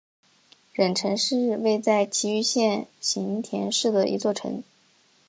忍城是位在崎玉县行田市的一座城。